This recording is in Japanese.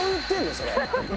それ。